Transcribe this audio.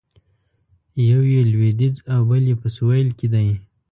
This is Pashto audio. یو یې لویدیځ او بل یې په سویل کې دی.